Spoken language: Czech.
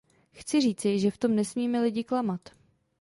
Chci říci, že v tom nesmíme lidi klamat.